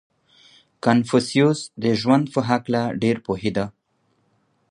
• کنفوسیوس د ژوند په هکله ډېر پوهېده.